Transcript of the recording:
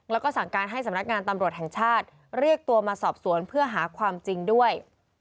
แล้วก็สั่งการให้สำนักงานตำรวจแห่งชาติเรียกตัวมาสอบสวนเพื่อหาความจริงด้วย